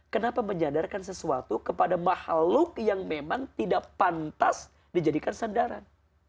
kenapa menyadarkan sesuatu kepada makhluk yang memang tidak pantas dijadikan sandaran